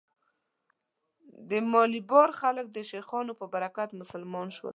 د مالیبار خلک د شیخانو په برکت مسلمان شوي.